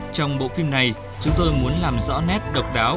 trong bộ phim này chúng tôi muốn làm rõ nét độc đáo